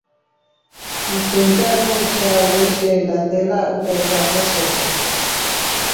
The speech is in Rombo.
Mkusha nuusha wesha ndatela kwaikafo soko.